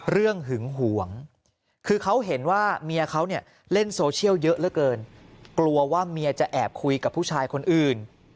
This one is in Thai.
หึงหวงคือเขาเห็นว่าเมียเขาเนี่ยเล่นโซเชียลเยอะเหลือเกินกลัวว่าเมียจะแอบคุยกับผู้ชายคนอื่น